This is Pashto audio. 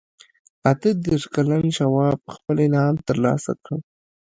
اته دېرش کلن شواب خپل انعام ترلاسه کړ